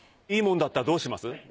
いいもんだったらどうします？